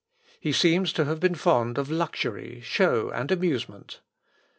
He seems to have been fond of luxury, show, and amusement.